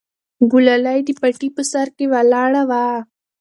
ګلالۍ د پټي په سر کې ولاړه وه.